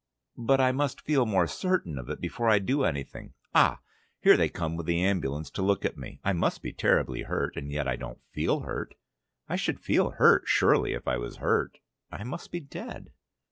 "But I must feel more certain of it before I do anything. Ah! Here they come with the ambulance to look at me. I must be terribly hurt, and yet I don't feel hurt. I should feel hurt surely if I was hurt. I must be dead."